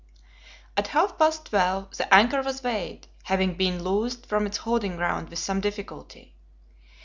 At half past twelve the anchor was weighed, having been loosed from its holding ground with some difficulty.